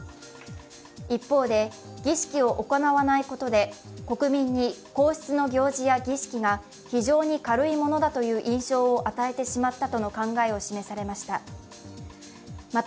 一方で、儀式を行わないことで国民に皇室の行事や儀式が非常に軽いものだという印象を与えてしまったとの考えを示されました。